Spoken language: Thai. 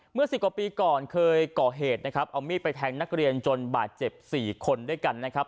สิบกว่าปีก่อนเคยก่อเหตุนะครับเอามีดไปแทงนักเรียนจนบาดเจ็บ๔คนด้วยกันนะครับ